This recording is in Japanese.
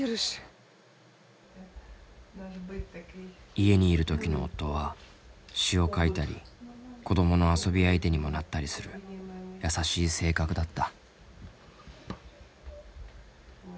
家にいる時の夫は詩を書いたり子供の遊び相手にもなったりする優しい性格だった。